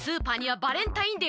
バレンタインデー！？